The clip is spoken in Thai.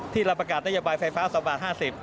ที่รับประกาศได้ระบ่ายไฟฟ้า๒บาท๕๐